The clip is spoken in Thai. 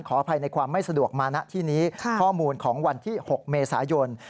อภัยในความไม่สะดวกมาณที่นี้ข้อมูลของวันที่๖เมษายน